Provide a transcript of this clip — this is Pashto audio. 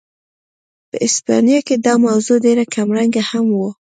په هسپانیا کې دا موضوع ډېره کمرنګه هم وه.